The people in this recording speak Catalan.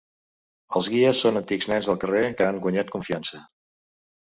Els guies són antics nens del carrer que han guanyat confiança.